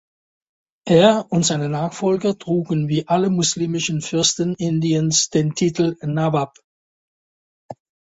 Er und seine Nachfolger trugen wie alle muslimischen Fürsten Indiens den Titel Nawab.